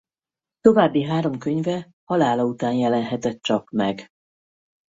További három könyve halála után jelenhetett csak meg.